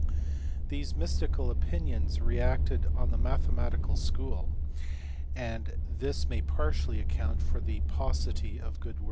These mystical opinions reacted on the mathe matical school, and this may partially account for the paucity of good work.